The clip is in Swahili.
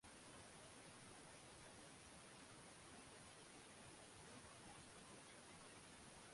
kwa hiyo ni nini mimi siwezi nikajibu kwa maana ya kulaumu